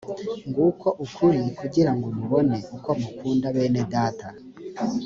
nguko ukuri, kugira ngo mubone uko mukunda bene data